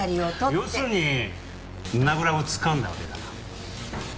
要するに胸ぐらをつかんだわけだな。